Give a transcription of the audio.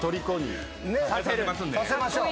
させましょう。